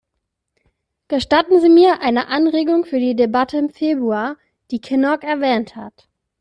Gestatten Sie mir eine Anregung für die Debatte im Februar, die Kinnock erwähnt hat.